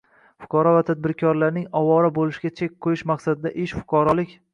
fuqaro va tadbirkorlarning ovora bo‘lishiga chek qo‘yish maqsadida, ish fuqarolik